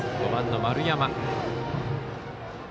４番の丸山。